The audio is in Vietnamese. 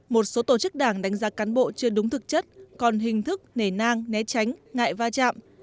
một số tổ chức đảng đánh giá cán bộ chưa đúng thực chất còn hình thức nể nang né tránh ngại va chạm